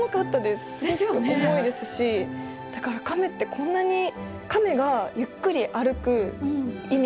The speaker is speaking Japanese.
すごく重いですしだからカメってこんなにカメがゆっくり歩く意味が分かりました。